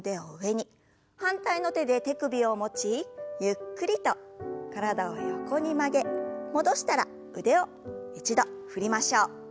反対の手で手首を持ちゆっくりと体を横に曲げ戻したら腕を一度振りましょう。